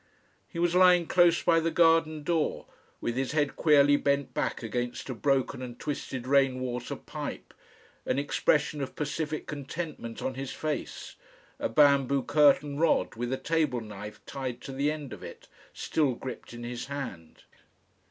He was lying close by the garden door with his head queerly bent back against a broken and twisted rainwater pipe, an expression of pacific contentment on his face, a bamboo curtain rod with a tableknife tied to end of it, still gripped in his hand.